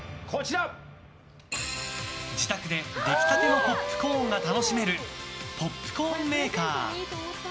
自宅で出来たてのポップコーンが楽しめるポップコーンメーカー。